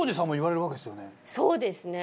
そうですね。